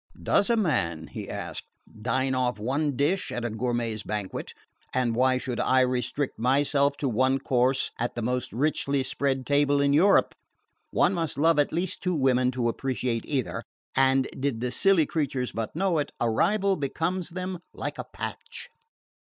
"Does a man," he asked, "dine off one dish at a gourmet's banquet? And why should I restrict myself to one course at the most richly spread table in Europe? One must love at least two women to appreciate either; and, did the silly creatures but know it, a rival becomes them like a patch."